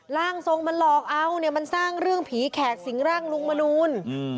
ร่างทรงมันหลอกเอาเนี่ยมันสร้างเรื่องผีแขกสิงร่างลุงมนูล